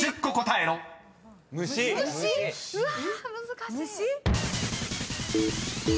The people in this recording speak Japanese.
うわ難しい。